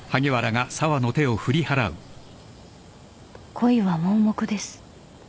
［恋は盲目です］